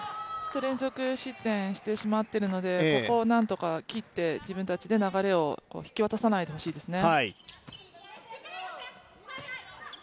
連続失点してしまっているのでここをなんとか切って自分たちで流れを引き渡さないでほしいですね。